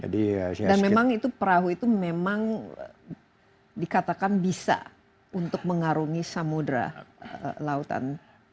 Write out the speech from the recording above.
dan memang perahu itu memang dikatakan bisa untuk mengarungi samudera lautan